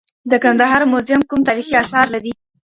د کندهار موزیم کوم تاریخي اثار لري؟